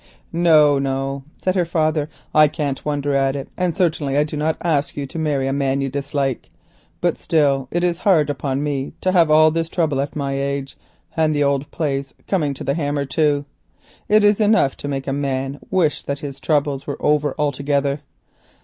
"No, no," said her father. "I can't wonder at it, and certainly I do not ask you to marry a man whom you dislike. But still it is hard upon me to have all this trouble at my age, and the old place coming to the hammer too. It is enough to make a man wish that his worries were over altogether.